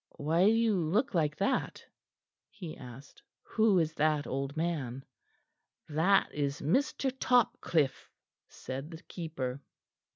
"Why do you look like that?" he asked. "Who is that old man?" "That is Mr. Topcliffe," said the keeper.